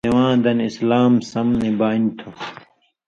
چے سیواں دن اِسلام سم نی بانیۡ تھُو؛